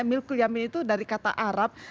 milkul yamin itu dari kata arab